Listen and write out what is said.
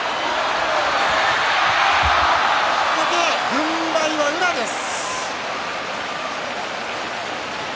軍配は宇良です。